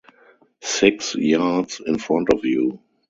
Six yards in front of you.